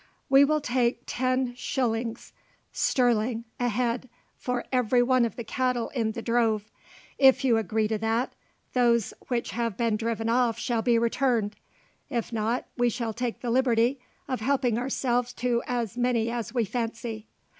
"We will take ten shillings sterling a head for every one of the cattle in the drove. If you agree to that, those which have been driven off shall be returned; if not, we shall take the liberty of helping ourselves to as many as we fancy."